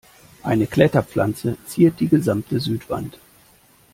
Eine Kletterpflanze ziert die gesamte Südwand.